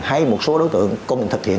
hay một số đối tượng có thể thực hiện